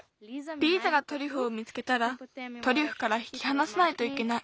リーザがトリュフを見つけたらトリュフからひきはなさないといけない。